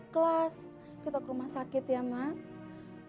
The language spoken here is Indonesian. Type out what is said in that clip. kelas kita ke rumah sakit ya mak ayo